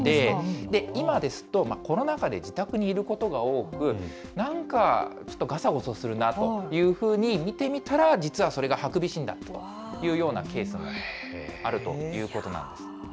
今ですと、コロナ禍で自宅にいることが多く、なんかちょっとがさごそするなというふうに見てみたら、実は、それがハクビシンだったというようなケースがあるということなんです。